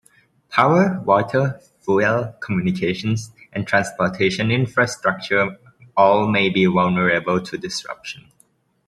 Power, water, fuel, communications, and transportation infrastructure all may be vulnerable to disruption.